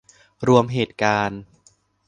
รวมเหตุการณ์